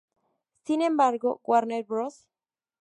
Sin embargo, Warner Bros.